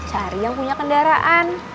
cari yang punya kendaraan